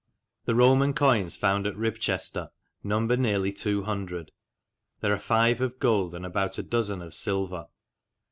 The Roman coins found at Ribchester number nearly two hundred there are five of gold and about a dozen of silver.